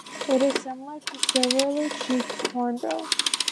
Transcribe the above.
It is similar to silvery-cheeked hornbill.